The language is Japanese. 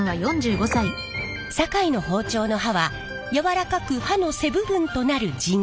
堺の包丁の刃は軟らかく刃の背部分となる地金。